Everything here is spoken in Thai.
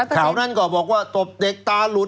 ข่าวนั้นก็บอกว่าตบเด็กตาหลุด